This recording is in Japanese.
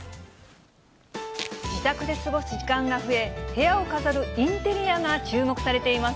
自宅で過ごす時間が増え、部屋を飾るインテリアが注目されています。